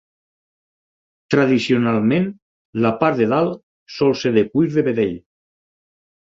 Tradicionalment, la part de dalt sol ser de cuir de vedell.